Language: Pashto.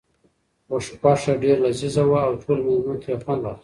غوښه ډېره لذیذه وه او ټولو مېلمنو ترې خوند واخیست.